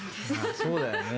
そうだよね。